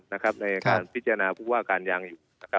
ในการพิจารณาผู้ว่าการยางอยู่